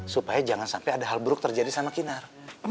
supaya jangan sampai ada hal buruk terjadi sama kinar